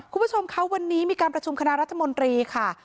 คุณผู้ชมคะวันนี้มีการประชุมคณะรัฐมนตรีค่ะ